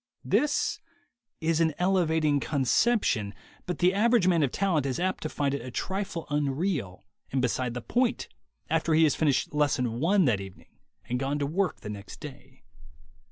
This is an elevat 130 THE WAY TO WILL POWER ing conception, but the average man of talent is apt to find it a trifle unreal and beside the point after he has finished Lesson One that evening and gone to work the next day.